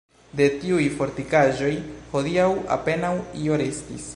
De tiuj fortikaĵoj hodiaŭ apenaŭ io restis.